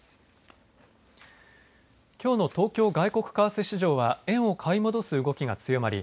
きょうの東京外国為替市場は円を買い戻す動きが強まり